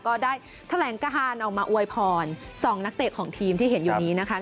ก็ได้แถลงการออกมาอวยพร๒นักเตะของทีมที่เห็นอยู่นี้นะคะ